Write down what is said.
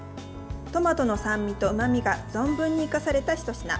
トマトの酸味とうまみが存分に生かされた、ひと品。